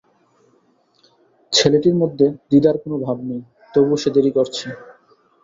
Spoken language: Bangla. ছেলেটির মধ্যে দ্বিধার কোনো ভাব নেই, তবু সে দেরি করছে।